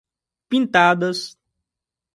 Pintadas